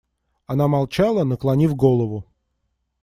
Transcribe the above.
Она молчала, наклонив голову.